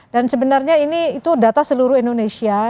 dan sebenarnya ini itu data seluruh indonesia